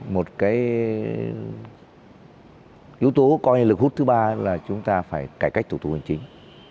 một cái yếu tố coi như lực hút thứ ba là chúng ta phải cải cách thủ tục hành chính